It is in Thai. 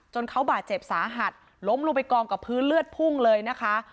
เขาบาดเจ็บสาหัสล้มลงไปกองกับพื้นเลือดพุ่งเลยนะคะ